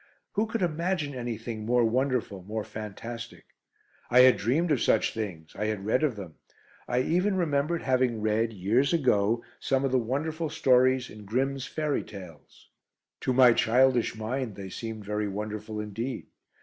Who could imagine anything more wonderful, more fantastic? I had dreamed of such things, I had read of them; I even remembered having read, years ago, some of the wonderful stories in Grimm's Fairy Tales. To my childish mind, they seemed very wonderful indeed.